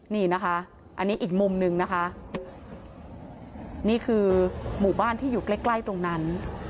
นี่นะคะอันนี้อีกมุมหนึ่งนะคะนี่คือหมู่บ้านที่อยู่ใกล้ใกล้ตรงนั้น